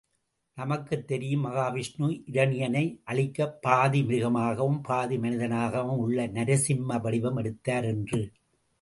நமக்குத் தெரியும், மகாவிஷ்ணு இரணியனை அழிக்க பாதி மிருகமாகவும் பாதி மனிதனாகவும், உள்ள நரசிம்ம வடிவம் எடுத்தார் என்று.